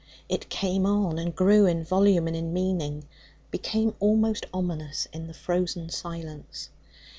It came on, and grew in volume and in meaning, became almost ominous in the frozen silence.